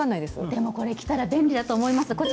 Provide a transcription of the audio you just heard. でもこれ、着たら便利だと思います。